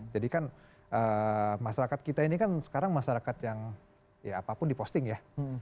jadi kan masyarakat kita ini kan sekarang masyarakat yang ya apapun diposting ya